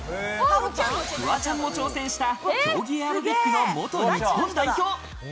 フワちゃんも挑戦した、競技エアロビックの元日本代表。